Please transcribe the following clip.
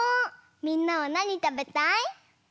みんなはなにたべたい？